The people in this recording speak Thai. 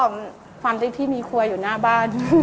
ความที่พี่มีครัวอยู่หน้าบ้าน